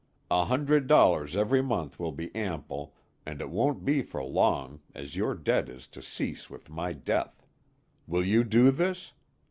A hundred dollars every month will be ample, and it won't be for long, as your debt is to cease with my death. Will you do this?